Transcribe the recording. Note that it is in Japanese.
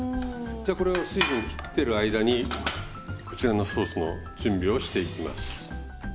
じゃこれは水分切ってる間にこちらのソースの準備をしていきます。